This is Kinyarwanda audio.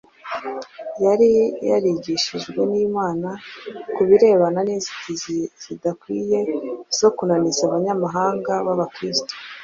Yari yarigishijwe n’Imana ku birebana n’inzitizi zidakwiye zo kunaniza Abanyamahanga b’Abakristo.